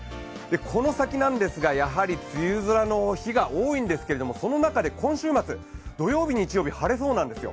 この先なんですがやはり梅雨空の日が多いんですけれどもその中で今週末、土曜日、日曜日晴れそうなんですよ。